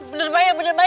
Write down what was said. bener baik bener baik